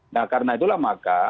nah karena itulah maka